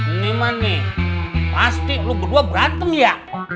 ini mah nih pasti lu berdua berantem ya